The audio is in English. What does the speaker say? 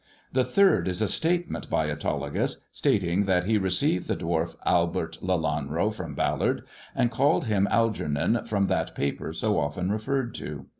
The third is a statement by Autolycus, stating that he received the dwarf Albert Lelanro from Ballard, and called him Algernon from that paper so often referred to.